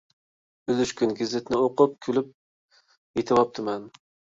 ئۈلۈشكۈن گېزىتنى ئوقۇپ كۈلۈپ يېتىۋاپتىمەن.